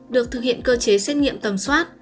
được thực hiện cơ chế xét nghiệm tầm soát